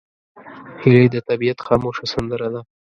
هیلۍ د طبیعت خاموشه سندره ده